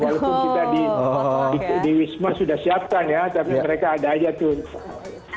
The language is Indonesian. walaupun kita di wisma sudah siapkan ya tapi mereka ada aja tuh